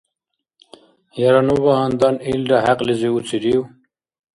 Яра ну багьандан илра хӏекьлизи уцирив?